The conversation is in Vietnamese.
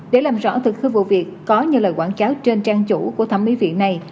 để làm rõ thực hư vụ việc có như lời quảng cáo trên trang chủ của thẩm mỹ viện này